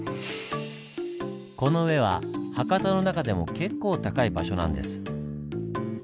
この上は博多の中でも結構高い場所なんです。